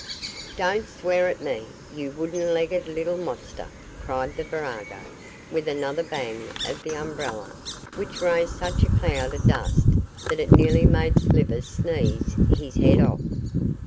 'Don't swear at me, you wooden legged little monster,' cried the virago, with another bang of the umbrella, which raised such a cloud of dust that it nearly made Slivers sneeze his head off.